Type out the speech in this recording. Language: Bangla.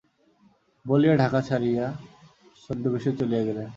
বলিয়া ঢাকা ছাড়িয়া ছদ্মবেশে চলিয়া গেলেন।